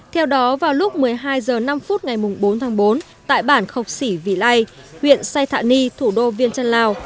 theo đó vào lúc một mươi hai h năm phút ngày bốn tháng bốn tại bản khọc sỉ vĩ lây huyện sai thạ ni thủ đô viên trân lào